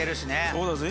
そうだぜ。